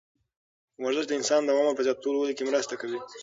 ورزش د انسان د عمر په زیاتولو کې مرسته کوي.